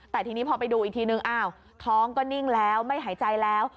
แต่ทีนี้พอไปดูอีกทีนึงอ้าวท้องก็นิ่งแล้วไม่หายใจแล้ว